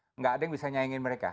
tidak ada yang bisa nyaingin mereka